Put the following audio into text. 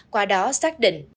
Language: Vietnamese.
qua đó xác định